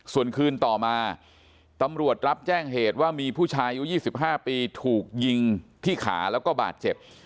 ส่วนคืนต่อมาตำรวจรับแจ้งเหตุว่ามีผู้ชายอายุ๒๕ปีถูกยิงที่ขาแล้วก็บาดเจ็บ